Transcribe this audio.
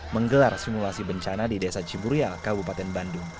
menggelar simulasi bencana di desa ciburial kabupaten bandung